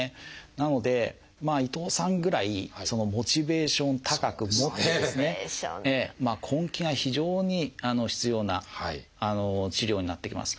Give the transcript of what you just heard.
なので伊藤さんぐらいモチベーションを高く持ってですね根気が非常に必要な治療になってきます。